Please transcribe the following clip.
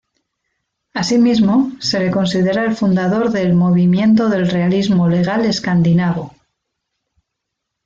Asimismo, se le considera el fundador del Movimiento del Realismo Legal Escandinavo.